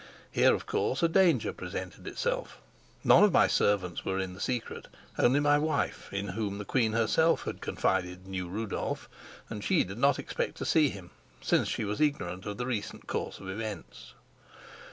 Here, of course, a danger presented itself. None of my servants were in the secret; only my wife, in whom the queen herself had confided, knew Rudolf, and she did not expect to see him, since she was ignorant of the recent course of events.